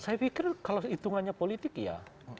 saya pikir kalau hitungannya politik ya